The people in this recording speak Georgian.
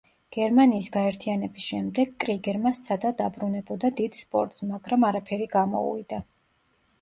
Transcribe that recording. გერმანიის გაერთიანების შემდეგ კრიგერმა სცადა დაბრუნებოდა დიდ სპორტს, მაგრამ არაფერი გამოუვიდა.